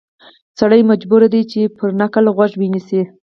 سړی مجبور دی چې پر نکل غوږ ونیسي.